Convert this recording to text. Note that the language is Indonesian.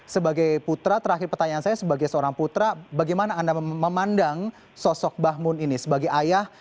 sebagai putra terakhir pertanyaan saya sebagai seorang putra bagaimana anda memandang sosok bahmun ini sebagai ayah